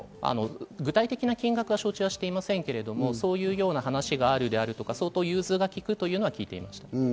具体的な金額は承知していませんが、そういうような話があるとか、相当融通がきくというのは聞いています。